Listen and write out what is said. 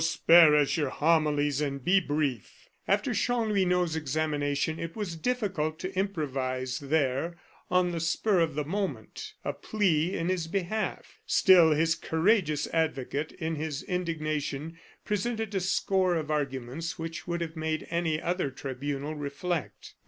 spare us your homilies, and be brief." After Chanlouineau's examination, it was difficult to improvise there, on the spur of the moment, a plea in his behalf. Still, his courageous advocate, in his indignation, presented a score of arguments which would have made any other tribunal reflect.